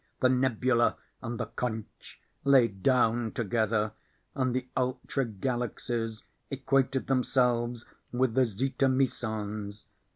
The nebula and the conch lay down together, and the ultra galaxies equated themselves with the zeta mesons.